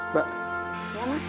mbak iya mas